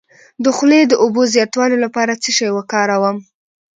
د خولې د اوبو د زیاتوالي لپاره څه شی وکاروم؟